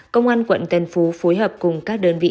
công an quận tân phú phối hợp cùng các đơn vị